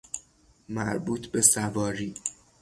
مربوط بسواری